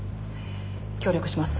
協力します。